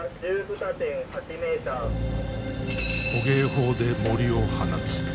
捕鯨砲でモリを放つ。